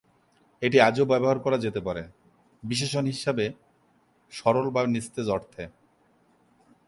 এটি আজও ব্যবহার করা যেতে পারে, বিশেষণ হিসাবে সরল বা নিস্তেজ অর্থে।